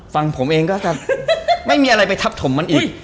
ฟังผมเองก็จะไม่มีอะไรไปทับถมมันอีก